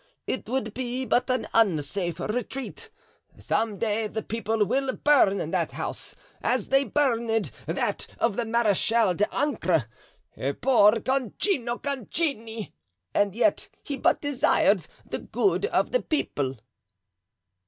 it would be but an unsafe retreat. Some day the people will burn that house, as they burned that of the Marechal d'Ancre. Poor Concino Concini! And yet he but desired the good of the people."